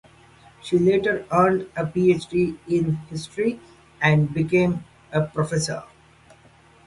She later earned a PhD in history and became a professor.